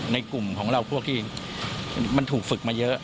ในกลุ่มของเราพวกที่มันถูกฝึกมาเยอะ